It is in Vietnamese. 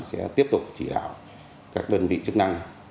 sẽ tiếp tục chỉ đạo các đơn vị chức năng